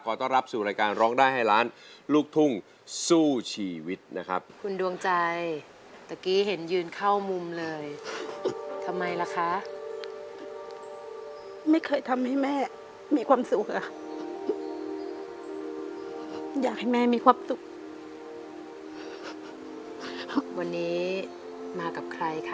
ขอต้อนรับสู่รายการร้องได้ให้ร้านลูกทุ่งสู้ชีวิตนะครับ